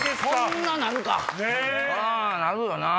なるよなぁ。